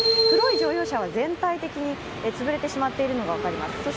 黒い乗用車は全体的に潰れてしまっているのが分かります。